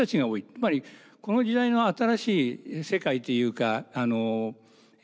つまりこの時代の新しい世界というか医療っていうのは